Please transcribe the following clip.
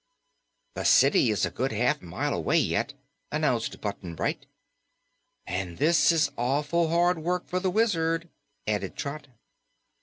"The city is a good half mile away yet," announced Button Bright. "And this is awful hard work for the Wizard," added Trot.